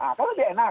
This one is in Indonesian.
nah kan lebih enak